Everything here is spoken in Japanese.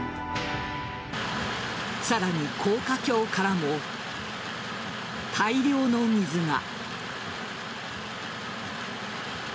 さらに、高架橋からも大量の水が。